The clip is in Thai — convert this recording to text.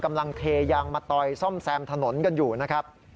กำลังเทยางมาต่อยซ่อมแซมถนนกันอยู่นะครับ